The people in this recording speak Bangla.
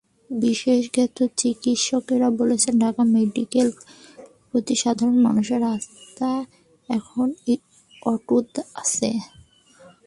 বিশেষজ্ঞ চিকিৎসকেরা বলছেন, ঢাকা মেডিকেলের প্রতি সাধারণ মানুষের আস্থা এখনো অটুট আছে।